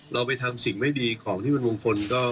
เราไปทำสิ่งไม่ดีของที่เป็นมงคลก็